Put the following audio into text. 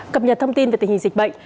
cập nhật thông tin về tình hình dịch bệnh